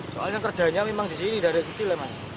soalnya kerjanya memang di sini dari kecil